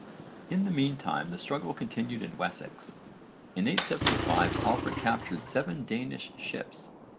In the meantime the struggle continued in Wessex. In 875 Alfred captured seven Danish ships.